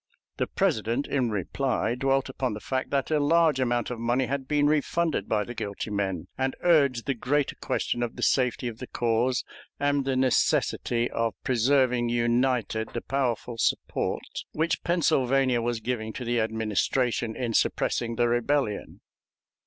The President, in reply, dwelt upon the fact that a large amount of money had been refunded by the guilty men, and urged the greater question of the safety of the cause and the necessity of preserving united the powerful support which Pennsylvania was giving to the administration in suppressing the rebellion.